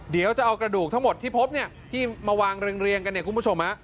เดี๋ยวจะเอากระดูกทั้งหมดที่พบเนี่ยที่มาวางเรียงกันเนี่ยคุณผู้ชม